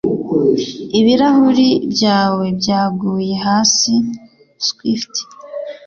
Ibirahuri byawe byaguye hasi Swift